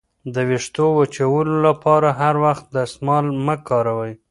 د ویښتو وچولو لپاره هر وخت دستمال مه کاروئ.